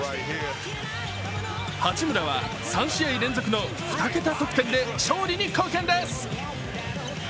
八村は３試合連続の２桁得点で勝利に貢献です。